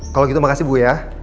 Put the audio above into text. kalau gitu makasih bu ya